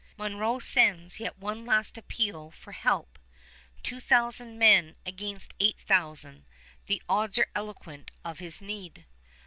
Monro sends yet one last appeal for help: two thousand men against eight thousand, the odds are eloquent of his need!